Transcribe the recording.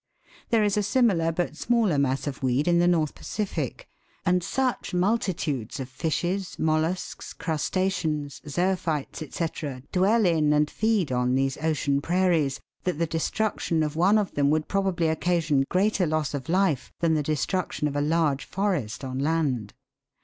There is a simi lar, but smaller mass of weed in the North Pacific ; and such mul titudes of fishes, mollusks, crus taceans, zoophytes, &c., dwell in and feed on these ocean prairies, that the destruction of one of them would probably occasion greater loss of life than the destruction of a large forest on land.